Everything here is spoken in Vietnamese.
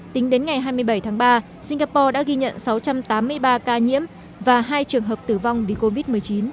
tính đến ngày hai mươi bảy tháng ba singapore đã ghi nhận sáu trăm tám mươi ba ca nhiễm và hai trường hợp tử vong vì covid một mươi chín